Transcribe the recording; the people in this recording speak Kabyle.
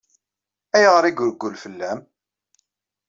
Ayɣer i ireggel fell-am?